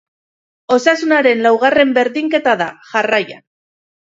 Osasunaren laugarren berdinketa da, jarraian.